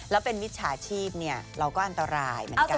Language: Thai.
แล้วเป็นมิจฉาชีพเราก็อันตรายเหมือนกัน